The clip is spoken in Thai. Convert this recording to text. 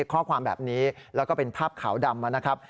ข้อความแบบนี้แล้วก็เป็นภาพขาวดำนะครับ